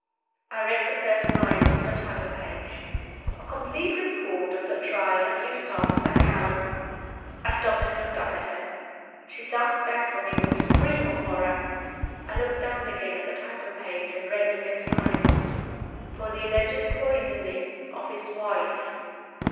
I read the first lines on the title page A COMPLETE REPORT OF THE TRIAL OF EUSTACE MACALLAN. I stopped and looked up at her. She started back from me with a scream of terror. I looked down again at the title page, and read the next lines FOR THE ALLEGED POISONING OF HIS WIFE.